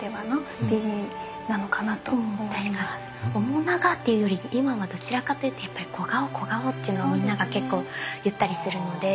面長っていうより今はどちらかというとやっぱり小顔小顔っていうのをみんなが結構言ったりするので。